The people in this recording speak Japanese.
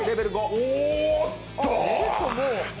おーっと！